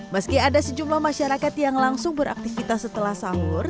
meski ada sejumlah masyarakat yang langsung beraktivitas setelah sahur